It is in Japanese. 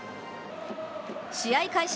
試合開始